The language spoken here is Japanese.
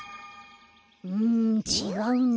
うんちがうな。